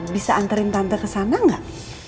bisa anterin tante ke sana gak